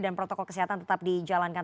dan protokol kesehatan tetap dijalankan